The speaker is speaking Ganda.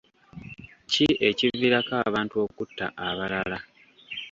Ki ekiviirako abantu okutta abalala?